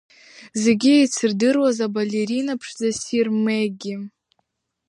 Зегьы еицырдыруаз абалерина, аԥшӡа-ссир Меги!